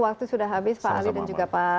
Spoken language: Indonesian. waktu sudah habis pak ali dan juga pak